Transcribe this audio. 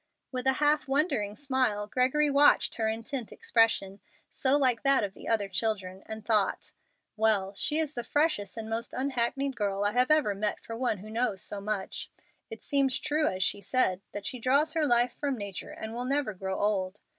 With a half wondering smile Gregory watched her intent expression, so like that of the other children, and thought, "Well, she is the freshest and most unhackneyed girl I have ever met for one who knows so much. It seems true, as she said, that she draws her life from nature and will never grow old.